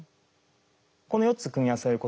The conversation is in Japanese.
この４つ組み合わせることでですね